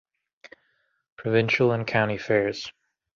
Provincial and County Fairs.